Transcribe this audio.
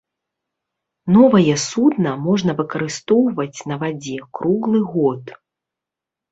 Новае судна можна выкарыстоўваць на вадзе круглы год.